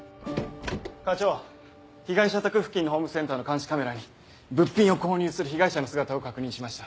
課長被害者宅付近のホームセンターの監視カメラに物品を購入する被害者の姿を確認しました。